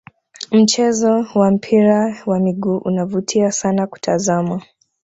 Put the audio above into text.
mchezo wa mpira wa miguu unavutia sana kutazama